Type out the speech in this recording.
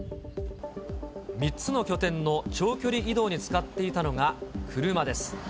３つの拠点の長距離移動に使っていたのが車です。